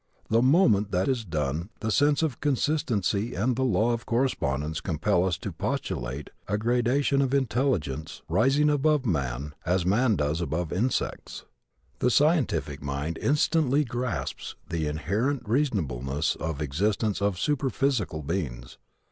The moment that is done the sense of consistency and the law of correspondence compel us to postulate a gradation of intelligences rising above man as man does above the insects. The scientific mind instantly grasps the inherent reasonableness of the existence of superphysical beings.